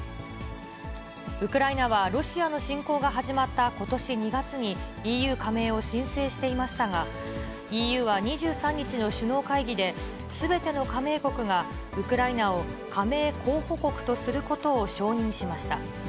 ウクライナはロシアの侵攻が始まったことし２月にＥＵ加盟を申請していましたが、ＥＵは２３日の首脳会議で、すべての加盟国が、ウクライナを加盟候補国とすることを承認しました。